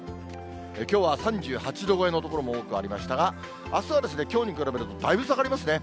きょうは３８度超えの所も多くありましたが、あすはきょうに比べるとだいぶ下がりますね。